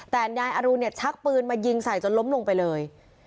แต่นายอรุณเนี่ยชักปืนมายิงใส่จนล้มลงไปเลย